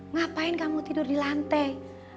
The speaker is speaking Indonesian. ngapain kamu tidur di lantai